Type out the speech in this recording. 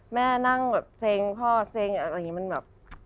แม่นั่งแบบเซ็งพ่อเซ็งอะไรอย่างนี้มันแบบ